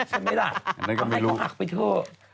ใช่ไหมล่ะก็ให้เขาหักไปเถอะ